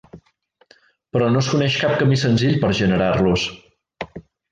Però no es coneix cap camí senzill per a generar-los.